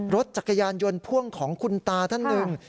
รถจักรยานยนต์พ่วงของคุณตาท่านหนึ่ง